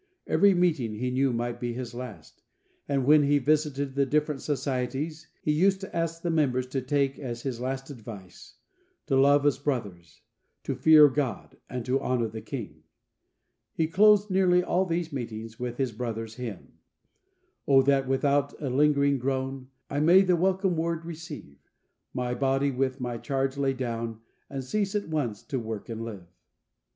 Every meeting he knew might be his last, and when he visited the different societies, he used to ask the members to take as his last advice: "To love as brothers, to fear God, and to honour the King." He closed nearly all these meetings with his brother's hymn: "O that without a lingering groan, I may the welcome Word receive; My body with my charge lay down, And cease at once to work and live."